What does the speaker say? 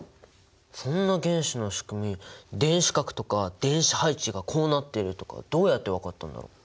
そんな原子のしくみ電子殻とか電子配置がこうなっているとかどうやって分かったんだろう？